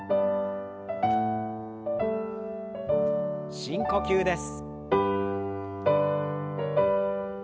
深呼吸です。